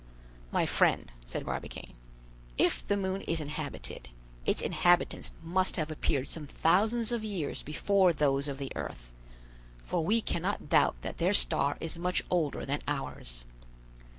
"My friend," said Barbicane, "if the moon is inhabited, its inhabitants must have appeared some thousands of years before those of the earth, for we cannot doubt that their star is much older than ours.